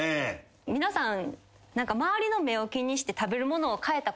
皆さん。